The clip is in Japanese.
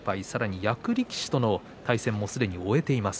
役力士との対戦はすでに終えています。